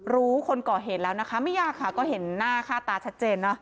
คนก่อเหตุแล้วนะคะไม่ยากค่ะก็เห็นหน้าค่าตาชัดเจนเนอะ